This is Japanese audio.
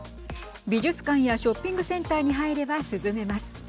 美術館やショッピングセンターに入れば涼めます。